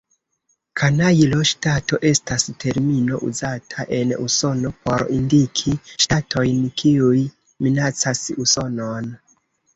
Kanajlo-ŝtato estas termino uzata en Usono por indiki ŝtatojn, kiuj minacas Usonon.